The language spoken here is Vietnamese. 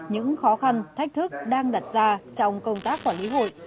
những khó khăn thách thức đang đặt ra trong công tác quản lý hội